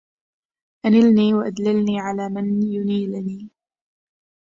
أنلني أو ادللني على من ينيلني